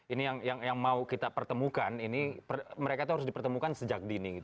ini yang mau kita pertemukan ini mereka itu harus dipertemukan sejak dini